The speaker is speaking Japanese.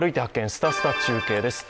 すたすた中継」です。